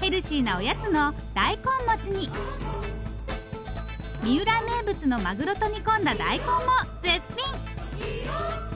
ヘルシーなおやつの大根餅に三浦名物のマグロと煮込んだ大根も絶品！